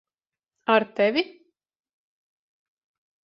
Ar tevi?